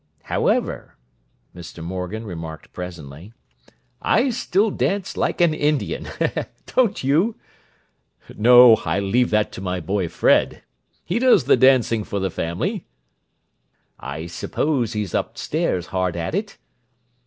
"However," Mr. Morgan remarked presently, "I still dance like an Indian. Don't you?" "No. I leave that to my boy Fred. He does the dancing for the family." "I suppose he's upstairs hard at it?"